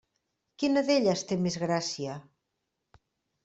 Quina d'elles té més gràcia?